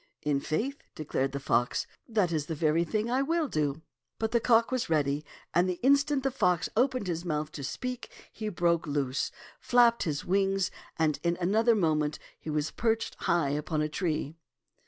"" In faith," declared the fox, "that is the very thing I will do." But the cock was ready, and the instant the fox opened his mouth to speak, he broke loose, flapped his wings, and in another moment he was perched high upon a tree.